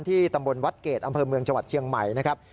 ตำบลวัดเกรดอำเภอเมืองจังหวัดเชียงใหม่นะครับ